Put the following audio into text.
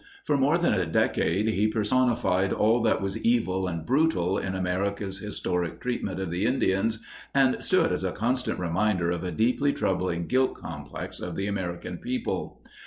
For more than a decade he personified all that was evil and brutal in America's historic treatment of the Indians and stood as a constant reminder of a deeply troubling guilt complex of the American people.